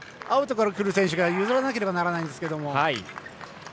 アウトから来る選手が譲らなければならないんですが。